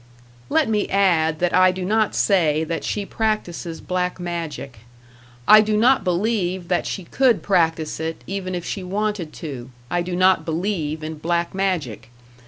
Let me add that I do not say that she practices black magic. I do not believe that she #could# practice it, even if she wanted to I do not believe in black magic.